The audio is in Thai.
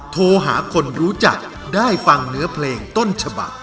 โทรหาคนรู้จักได้ฟังเนื้อเพลงต้นฉบัก